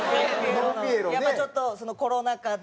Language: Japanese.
やっぱちょっとコロナ禍で。